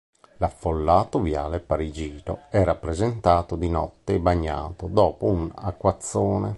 L'affollato viale parigino è rappresentato di notte e bagnato, dopo un acquazzone.